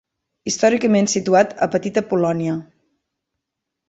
Històricament situat a Petita Polònia.